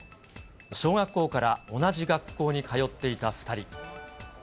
小学校から同じ学校に通っていた２人。